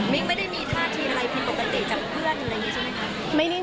มิงไม่ได้มีท่าทีอะไรพิมพ์ปกติจากเพื่อนอย่างนี้ใช่ไหมคะ